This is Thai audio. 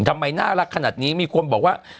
ทำไมน่ารักขนาดนี้มีคนบอกว่า